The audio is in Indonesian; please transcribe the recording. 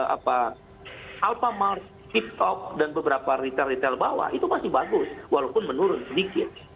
apa alphamart hip hop dan beberapa ritel ritel bawah itu masih bagus walaupun menurun sedikit